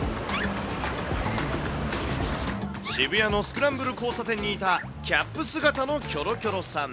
渋谷のスクランブル交差点にいたキャップ姿のキョロキョロさん。